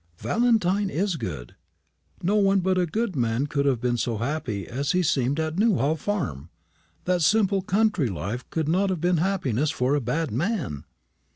"Valentine is good. No one but a good man could have been so happy as he seemed at Newhall farm. That simple country life could not have been happiness for a bad man."